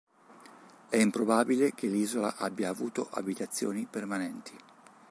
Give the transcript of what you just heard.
È improbabile che l'isola abbia avuto abitazioni permanenti.